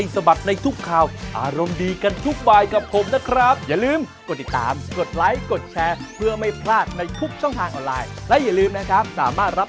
สวัสดีครับสวัสดีค่ะครับ